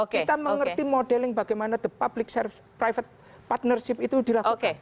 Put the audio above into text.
kita mengerti modeling bagaimana the public private partnership itu dilakukan